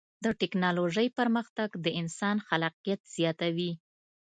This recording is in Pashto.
د ټکنالوجۍ پرمختګ د انسان خلاقیت زیاتوي.